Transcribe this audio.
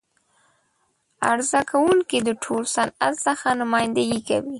عرضه کوونکی د ټول صنعت څخه نمایندګي کوي.